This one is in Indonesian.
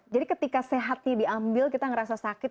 jadi ketika sehatnya diambil kita merasa sakit